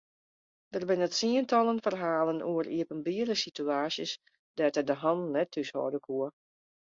Der binne tsientallen ferhalen oer iepenbiere situaasjes dêr't er de hannen net thúshâlde koe.